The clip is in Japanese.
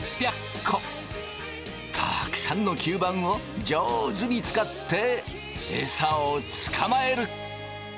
たくさんの吸盤を上手に使ってエサを捕まえる。